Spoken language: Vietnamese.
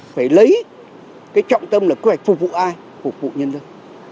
phải lấy cái trọng tâm là quy hoạch phục vụ ai phục vụ nhân dân